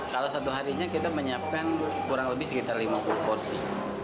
kalau satu harinya kita menyiapkan kurang lebih sekitar lima puluh porsi